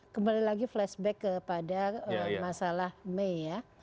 kembali lagi flashback kepada masalah mei ya